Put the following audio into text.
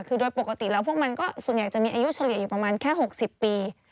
คือโดยปกติแล้วพวกมันก็ส่วนใหญ่จะมีอายุเฉลี่ยอยู่ประมาณแค่๖๐ปี